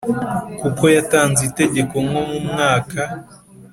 kuko yatanze itegeko nko mumwaka